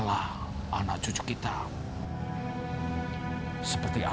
dan aku harap